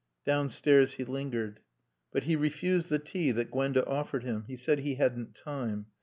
Downstairs he lingered. But he refused the tea that Gwenda offered him. He said he hadn't time.